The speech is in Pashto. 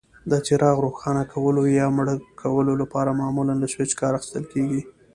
د څراغ روښانه کولو یا مړ کولو لپاره معمولا له سویچ کار اخیستل کېږي.